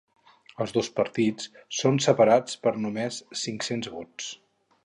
Els dos partits són separats per només cinc-cents vots.